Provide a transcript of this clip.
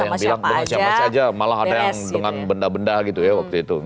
ada yang bilang masa jabatan aja malah ada yang dengan benda benda gitu ya waktu itu